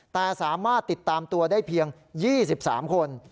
แต่สามารถติดตามตัวได้เพียง๒๓คน